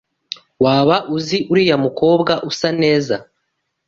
Waba uzi uriya mukobwa usa neza?